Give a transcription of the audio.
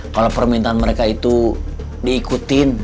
kalau permintaan mereka itu diikutin